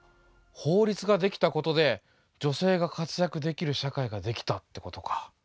法律ができたことで女性が活躍できる社会ができたってことか。